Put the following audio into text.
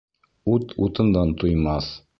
Ут утындан туймаҫ